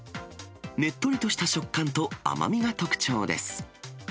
ねっとりとした食感と甘みが特徴です。